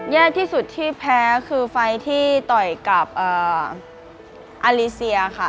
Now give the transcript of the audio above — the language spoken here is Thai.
แย่ที่สุดที่แพ้คือไฟล์ที่ต่อยกับอารีเซียค่ะ